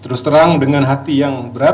terus terang dengan hati yang berat